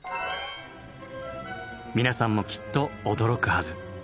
皆さんもきっと驚くはず。